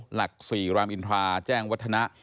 หลัก๔รามอินทราแจ้งวัฒนะ